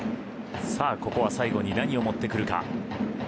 ここは最後に何をもってくるか。